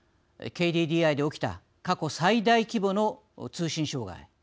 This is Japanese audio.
ＫＤＤＩで起きた過去最大規模の通信障害。